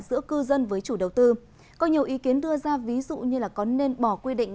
giữa cư dân với chủ đầu tư có nhiều ý kiến đưa ra ví dụ như có nên bỏ quy định